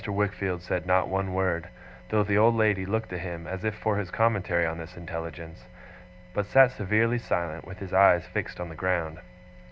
Wickfield said not one word, though the old lady looked to him as if for his commentary on this intelligence; but sat severely silent, with his eyes fixed on the ground.